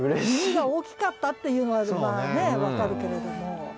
耳が大きかったっていうのはまあね分かるけれども。